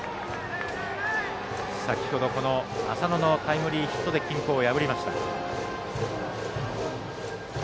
先ほど浅野のタイムリーヒットで均衡を破りました。